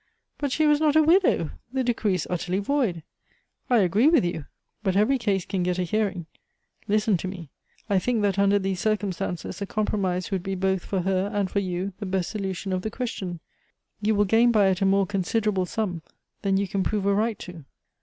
"But she was not a widow. The decree is utterly void " "I agree with you. But every case can get a hearing. Listen to me. I think that under these circumstances a compromise would be both for her and for you the best solution of the question. You will gain by it a more considerable sum than you can prove a right to."